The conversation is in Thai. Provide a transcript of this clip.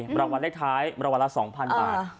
บรรวมวันเล็กท้ายบรรวมวันละ๒๐๐๐บาท